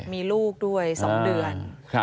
มีลูกด้วย๒เดือน